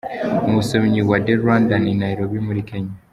Umusomyi wa TheRwandan i Nairobi muri Kenya